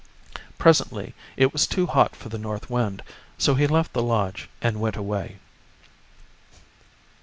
Presently it was too hot for the North Wind, so he left the lodge and went away.